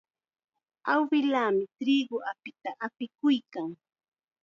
Awilaami triqu apita apikuykan.